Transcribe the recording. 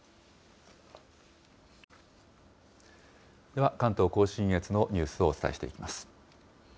では、関東甲信越のニュースをお伝えしていきます。